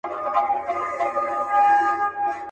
صوفي پرېښودې خبري د اورونو.